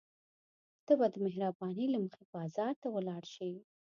ته به د مهربانۍ له مخې بازار ته ولاړ شې.